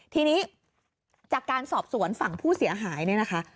ทีนี้จากการสอบสวนฝั่งผู้เสียหายเนี่ยนะคะ